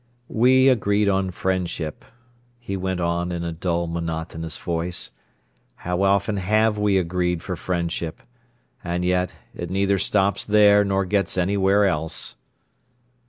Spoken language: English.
"We agreed on friendship," he went on in a dull, monotonous voice. "How often have we agreed for friendship! And yet—it neither stops there, nor gets anywhere else."